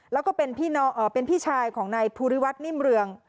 แล้วก็เป็นพี่ชายของนายภูริวัฒนิ่มเรือง